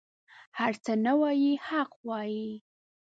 هر څه نه وايي حق وايي.